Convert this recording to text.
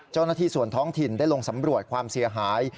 เจ้าหน้าที่ส่วนท้องถิ่นได้ลงสำรวจความเสียหาย